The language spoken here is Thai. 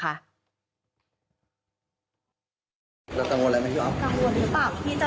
กองอฟท์ไม่ตอบอะไรเลยนะคะ